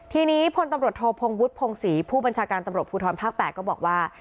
ทีนี้พลตำรวจโทพงวุฒิพงศรีผู้บัญชาการตำรวจภูทรภาค๘ก็บอกว่า